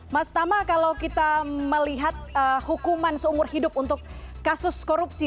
mas tama kalau kita melihat hukuman seumur hidup untuk kasus korupsi